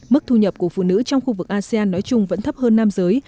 mức thu nhập của phụ nữ trong khu vực asean nói chung vẫn thấp hơn nam giới